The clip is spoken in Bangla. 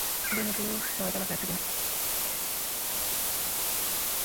গ্রেনেডগুলো ছয়তলা ফ্ল্যাট থেকে নামিয়ে পাশের সারেং বাড়ির মসজিদ-সংলগ্ন মাঠে নেওয়া হয়।